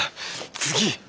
次！